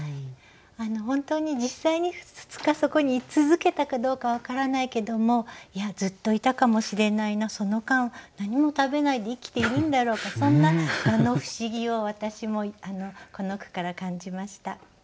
本当に実際に２日そこに居続けたかどうか分からないけどもいやずっといたかもしれないなその間何も食べないで生きているんだろうかそんな蛾の不思議を私もこの句から感じました。